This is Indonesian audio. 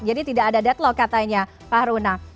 jadi tidak ada deadlock katanya pak haruna